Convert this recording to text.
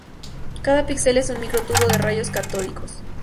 Cada pixel es un micro tubo de rayos catódicos.